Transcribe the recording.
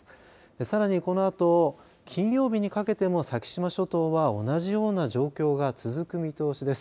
さらに、このあと金曜日にかけても先島諸島は同じような状況が続く見通しです。